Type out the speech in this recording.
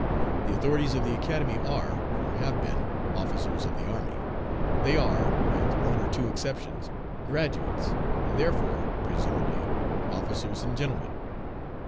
The authorities of the Academy are, or have been, officers of the army. They are, with one or two exceptions, graduates, and therefore, presumably, "officers and gentlemen."